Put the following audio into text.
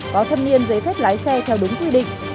có thâm niên giấy phép lái xe theo đúng quy định